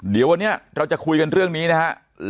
เดี๋ยววันนี้เราจะคุยกันเรื่องนี้นะฮะ